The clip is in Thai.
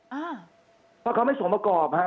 เพราะเขาไม่สมประกอบฮะ